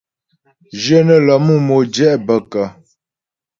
Jyə nə́ lə mú modjɛ' bə kə́ ?